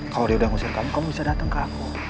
kalau dia udah ngusir kamu bisa datang ke aku